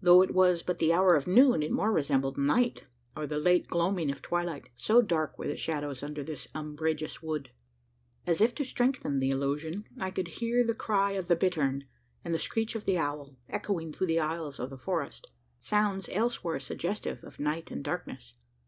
Though it was but the hour of noon, it more resembled night, or the late gloaming of twilight so dark were the shadows under this umbrageous wood. As if to strengthen the illusion, I could hear the cry of the bittern, and the screech of the owl, echoing through the aisles of the forest sounds elsewhere suggestive of night and darkness.